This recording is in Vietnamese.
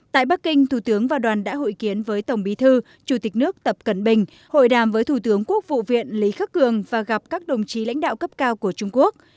tại bắc kinh thủ tướng và đoàn đã hội kiến với tổng bí thư chủ tịch nước tập cận bình hội đàm với thủ tướng quốc vụ viện lý khắc cường và gặp các đồng chí lãnh đạo cấp cao của trung quốc